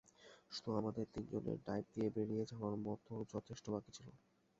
শুধু আমাদের তিনজনের ডাইভ দিয়ে বেরিয়ে যাওয়ার মত যথেষ্ট বাকি ছিল।